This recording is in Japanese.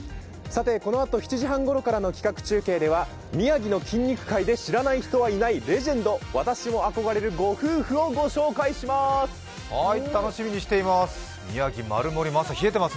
このあと７時半ごろからの企画中継では宮城の筋肉界で知らない人はいないレジェンド私も憧れるご夫婦をご紹介します。